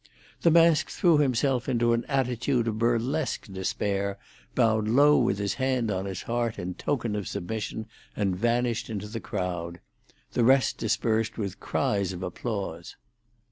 The mask threw himself into an attitude of burlesque despair, bowed low with his hand on his heart, in token of submission, and vanished into the crowd. The rest dispersed with cries of applause.